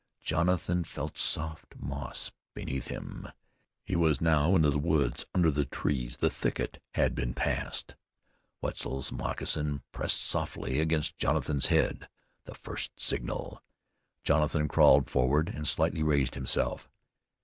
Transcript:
Jonathan felt soft moss beneath him; he was now in the woods under the trees. The thicket had been passed. Wetzel's moccasin pressed softly against Jonathan's head. The first signal! Jonathan crawled forward, and slightly raised himself.